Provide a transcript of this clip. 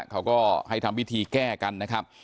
เขาก็ให้ทำพิธีแก้กันนะครับ